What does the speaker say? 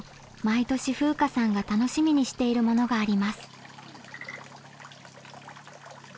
毎年風夏さんが楽しみにしているものがあります。